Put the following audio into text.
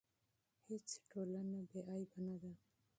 هیڅ ټولنه بې عیبه نه ده.